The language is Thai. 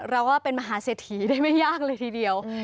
เราก็เป็นมหาเสถียได้ไม่ยากเลยทีเดียว